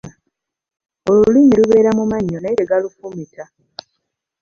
Olulimi lubeera mu mannyo naye tegalufumita.